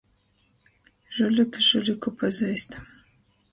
Žuliks žuliku pazeist.